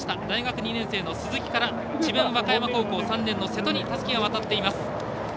大学２年生の鈴木から智弁和歌山高校３年の瀬戸にたすきが渡っています。